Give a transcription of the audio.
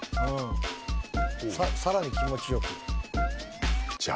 さらに気持ち良く。